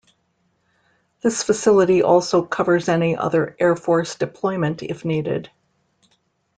This facility also covers any other Air Force deployment if needed.